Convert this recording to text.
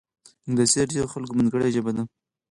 انګلیسي د ډېرو خلکو منځګړې ژبه ده